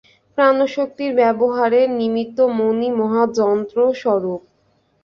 প্রাণশক্তির ব্যবহারের নিমিত্ত মনই মহা যন্ত্রস্বরূপ।